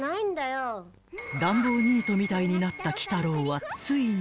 ［乱暴ニートみたいになった鬼太郎はついに］